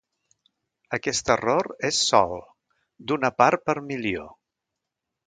Aquest error és sol d'una part per milió.